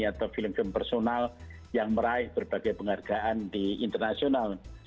atau film film personal yang meraih berbagai penghargaan di internasional